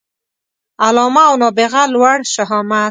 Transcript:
علامه او نابغه لوړ شهامت